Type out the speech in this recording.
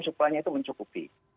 supply nya itu mencukupi